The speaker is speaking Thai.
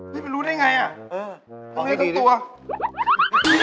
นี่เป็นรู้ได้ไงอ่ะต้องให้กับตัวเออเอาให้ดี